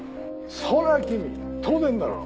「そりゃあ君当然だろ」